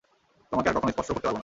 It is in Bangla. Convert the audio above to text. তোমাকে আর কখনো স্পর্শও করতে পারবেনা।